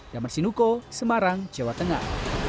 damar sinuko semarang jawa tengah